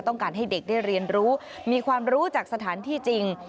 ต้องการให้เด็กได้เรียนรู้มีความรู้จากสถานที่จริง